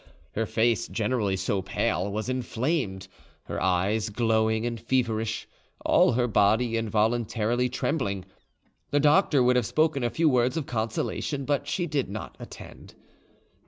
Her face, generally so pale, was inflamed, her eyes glowing and feverish, all her body involuntarily trembling. The doctor would have spoken a few words of consolation, but she did not attend.